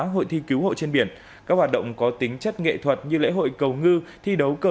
hội thi cứu hộ trên biển các hoạt động có tính chất nghệ thuật như lễ hội cầu ngư thi đấu cơ